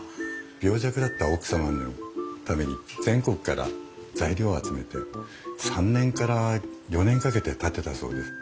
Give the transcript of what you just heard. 病弱だった奥様のために全国から材料を集めて３年から４年かけて建てたそうです。